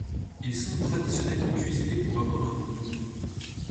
Ils sont traditionnellement cuisinés pour avoir un goût doux.